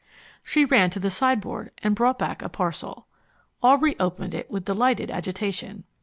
She ran to the sideboard and brought back a parcel. Aubrey opened it with delighted agitation.